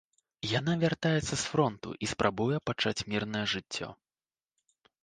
Яна вяртаецца з фронту і спрабуе пачаць мірнае жыццё.